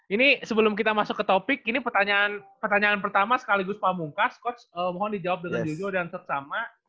ini sebelum kita masuk ke topik ini pertanyaan pertama sekaligus pamungkas coach mohon dijawab dengan jujur dan sesama